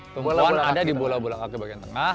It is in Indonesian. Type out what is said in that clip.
tumpuan ada di bola bola kaki bagian tengah